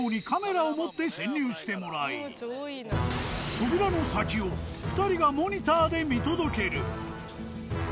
扉の先を２人がモニターで見届ける。